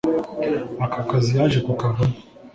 Aka kazi yaje kukavamo